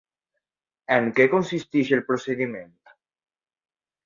En què consisteix el procediment?